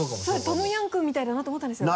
トムヤムクンみたいだなと思ったんですよ。